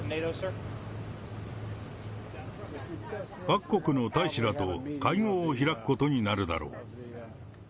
各国の大使らと会合を開くことになるだろう。